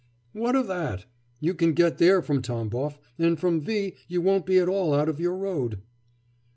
'What of that? you can get there from Tamboff, and from V you won't be at all out of your road.